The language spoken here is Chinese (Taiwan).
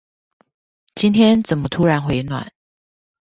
今天怎麼突然回暖